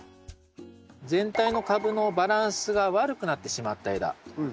全体の株のバランスが悪くなってしまった枝。